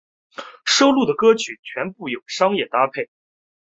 收录的歌曲全部都有商业搭配。